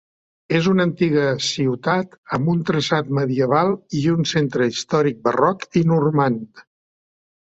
És una antiga ciutat amb un traçat medieval i un centre històric Barroc i Normand.